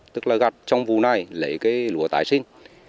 tức là gạt trong vụ này lấy cái lúa tái sinh